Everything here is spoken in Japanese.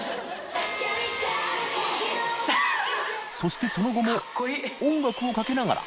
そしてその後も音楽をかけながら）